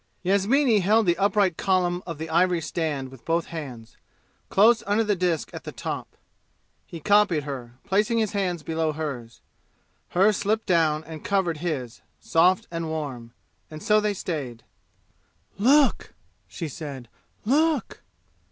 Yasmini held the upright column of the ivory stand with both hands, close under the disk at the top. He copied her, placing his hands below hers. Hers slipped down and covered his, soft and warm; and so they stayed. "Look!" she said. "Look!"